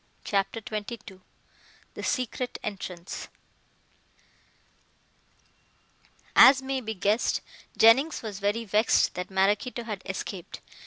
CHAPTER XXII THE SECRET ENTRANCE AS may be guessed, Jennings was very vexed that Maraquito had escaped.